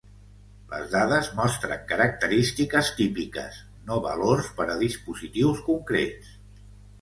Les dades mostren característiques típiques, no valors per a dispositius concrets.